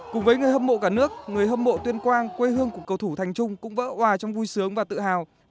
cùng với người hâm mộ cả nước người hâm mộ tuyên quang quê hương của cầu thủ thành trung cũng vỡ hòa trong vui sướng và tự hào